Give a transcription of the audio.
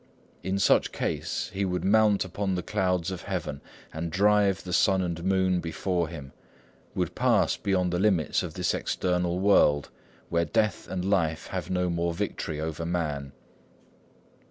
In such case, he would mount upon the clouds of Heaven, and driving the sun and moon before him, would pass beyond the limits of this external world, where death and life have no more victory over man."